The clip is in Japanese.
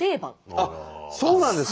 あっそうなんですか？